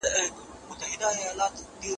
کمپيوټر يو اېس بي لري.